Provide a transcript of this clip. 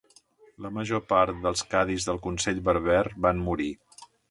La major part dels cadis del consell berber van morir.